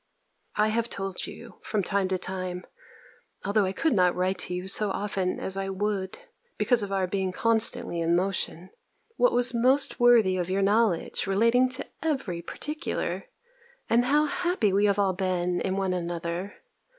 I have told you, from time to time, although I could not write to you so often as I would, because of our being constantly in motion, what was most worthy of your knowledge relating to every particular, and how happy we all have been in one another.